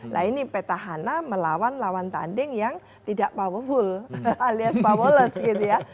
nah ini petahana melawan lawan tanding yang tidak powerful alias powelless gitu ya